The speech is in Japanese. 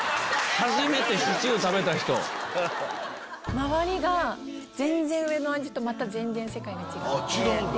周りが上の味とまた全然世界が違って。